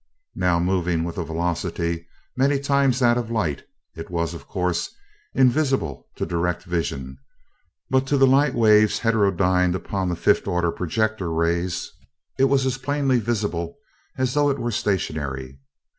Now moving with a velocity many times that of light, it was, of course, invisible to direct vision; but to the light waves heterodyned upon the fifth order projector rays, it was as plainly visible as though it were stationary.